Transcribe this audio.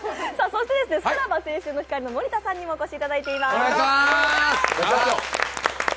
そしてさらば青春の光の森田さんにもお越しいただいています。